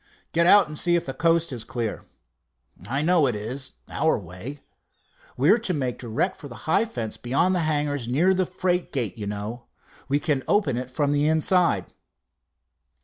"Go out and see if the coast is clear." "I know it is—our way. We're to make direct for the high fence behind the hangars. Near the freight gate, you know. We can open it from the inside."